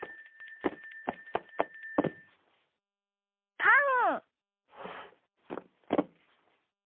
パン。